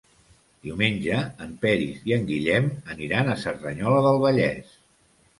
Diumenge en Peris i en Guillem aniran a Cerdanyola del Vallès.